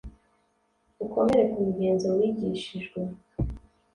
ukomere ku migenzo wigishijwe